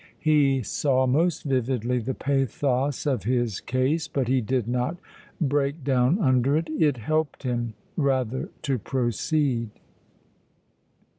He saw most vividly the pathos of his case, but he did not break down under it; it helped him, rather, to proceed.